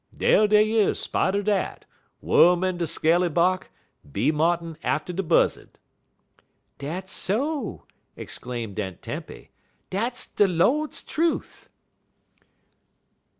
Dar dey is, spite er dat, wum in de scaly bark, bee martin atter de buzzud." "Dat's so," exclaimed Aunt Tempy, "dat's de Lord's trufe!"